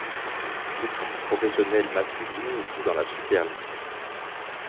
L'équipe professionnelle masculine joue dans la Super Ligue.